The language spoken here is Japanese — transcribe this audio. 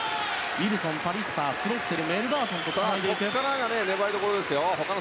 ウィルソン、パリスタースロッセルメルバートンとつないでいきます。